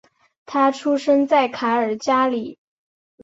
他出生在卡尔加里。